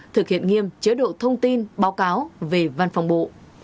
thực hiện nghiêm chế độ thông tin báo cáo về văn phòng bộ